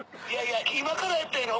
今からやったらええ